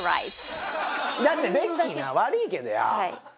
だってベッキーな悪いけどや。